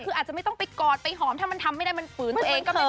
คืออาจจะไม่ต้องไปกอดไปหอมถ้ามันทำไม่ได้มันฝืนตัวเองก็เป็น